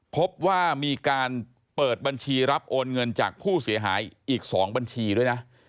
พบว่ามีการเปิดบัญชีรับโอนเงินจากผู้เสียหายอีก๒บัญชีด้วยนะ